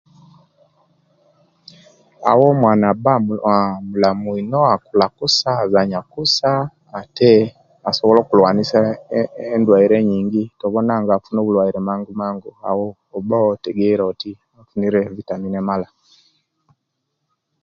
Awo omwana aba aahaa mulamu ino atambula kusa azanya kusa ate asobola okulwanisia edwaire enyingi tobona nga aba afuna obulwaire mangumangu oba otegere oti afunire vitamini amaala